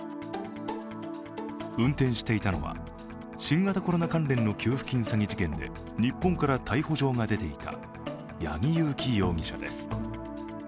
運転していたのは新型コロナ関連の給付金詐欺事件で日本から逮捕状が出ていた八木佑樹容疑者です。